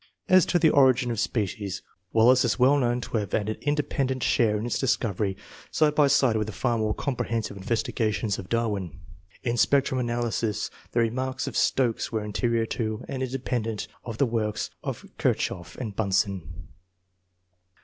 As to the origin of species, Wallace is well known to have had an independent share in its discovery, side by side with the far more comprehensive investiga 8 ENGLISH MEN OF SCIENCE. [chap. tions of Darwin. In spectrum analysis the re marks of Stokes were anterior to and independ ent of the works of Kirchhoff and Bunsen.